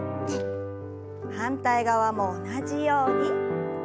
反対側も同じように。